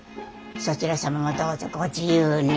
そちら様もどうぞご自由に。